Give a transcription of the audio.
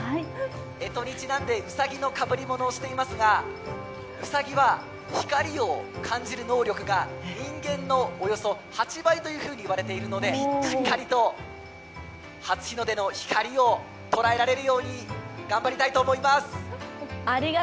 干支にちなんでうさぎのかぶりものをしていますがうさぎは光を感じる能力が人間のおよそ８倍と言われているので、しっかりと初日の出の光を捉えられるように頑張りたいと思います。